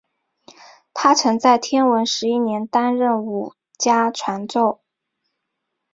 他曾在天文十一年担任武家传奏。